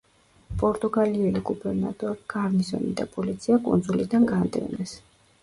პორტუგალიელი გუბერნატორი, გარნიზონი და პოლიცია კუნძულიდან განდევნეს.